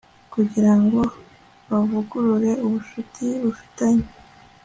kugira ngo bavugurure ubucuti bafitanye